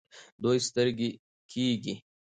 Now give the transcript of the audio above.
دوی سترګۍ کیږي.